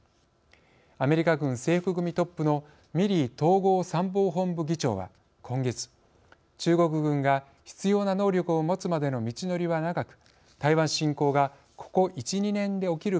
アメリカ軍制服組トップのミリー統合参謀本部議長は今月「中国軍が必要な能力を持つまでの道のりは長く台湾侵攻がここ１２年で起きる可能性は低い。